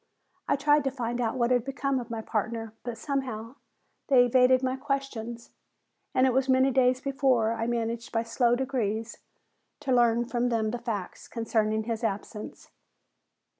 I tried to find out what had become of my partner, but somehow they evaded my questions and it was many days before I managed by slow degrees to learn from them the facts concerning his absence.